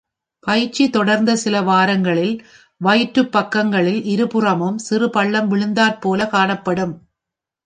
பயிற்சி தொடர்ந்த, சில வாரங்களில் வயிற்றுப் பக்கங்களில் இருபுறமும் சிறு பள்ளம் விழுந்தாற்போல காணப்படும்.